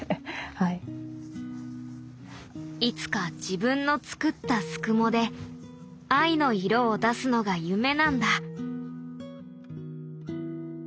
いつか自分の作ったすくもで藍の色を出すのが夢なんだ。